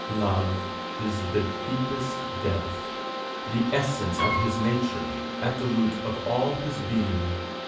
Love is the deepest depth, the essence of his nature, at the root of all his being.